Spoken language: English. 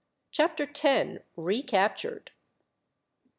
Chapter 10: Recaptured.